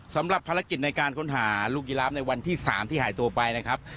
สำหรับภารกิจในการค้นหาลูกยีราฟในวันที่๓ที่หายตัวไปนะครับ